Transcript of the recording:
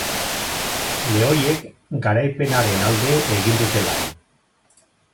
Lehoiek garaipenaren alde egin dute lan.